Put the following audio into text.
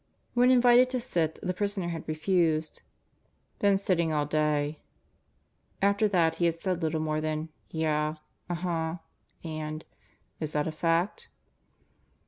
When invited to sit, the prisoner had refused. "Been sitting all day." After that he had said little more than "Yah." "Uh huh" and "Is that a fact?"